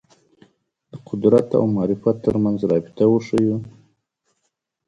د قدرت او معرفت تر منځ رابطه وښييو